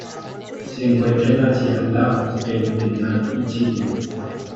Se encuentran en Asia: Laos, el Vietnam y China.